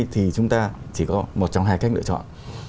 thì chúng ta chỉ có một trong hai cách lựa chọn